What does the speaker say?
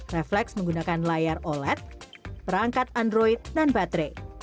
refleks menggunakan layar oled perangkat android dan baterai